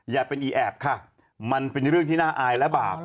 อย่าเป็นอีแอบค่ะมันเป็นเรื่องที่น่าอายและบาป